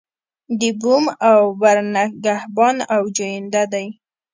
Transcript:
د بوم او بر نگهبان او جوینده دی.